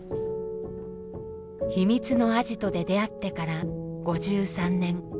秘密のアジトで出会ってから５３年。